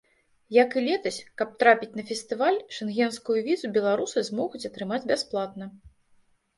Як і летась, каб трапіць на фестываль, шэнгенскую візу беларусы змогуць атрымаць бясплатна.